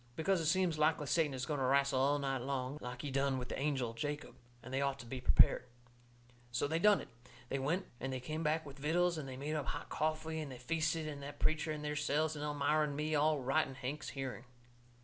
Because it seems likely Satan is going to wrastle all night long, like he done with the angel Jacob, and they ought to be prepared. So they done it. They went and they come back with vittles and they made up hot coffee and they feasted that preacher and theirselves and Elmira and me, all right in Hank's hearing.